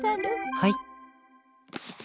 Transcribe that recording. はい。